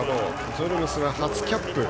ジョルムスが初キャップ。